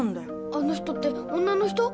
あの人って女の人？